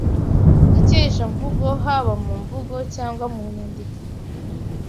ikeshamvugo haba mu mvugo cyangwa mu nyandiko